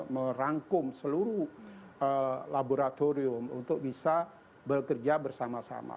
merangkum seluruh laboratorium untuk bisa bekerja bersama sama